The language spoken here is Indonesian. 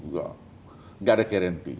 gak ada guarantee